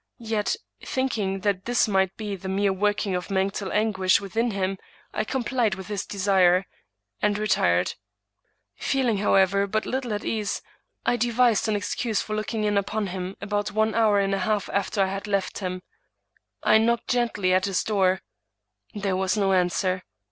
Yet, think ing that this might be the mere working of mental anguish within him, I complied with his desire, and retired. Feel ing, however, but little at ease, I devised an excuse for looking in upon him about one hour and a half after I had left him. I knocked gently at his door ; there was no an swer.